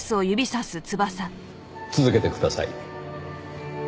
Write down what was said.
続けてください。